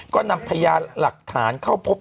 ก็นำพยานหลักฐานเข้าพบ